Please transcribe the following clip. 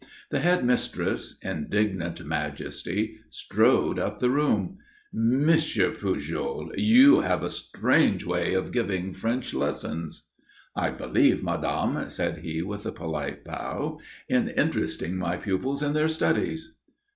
The head mistress, indignant majesty, strode up the room. "M. Pujol, you have a strange way of giving French lessons." "I believe, madame," said he, with a polite bow, "in interesting my pupils in their studies."